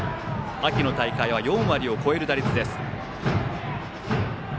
秋の大会は４割を超える打率。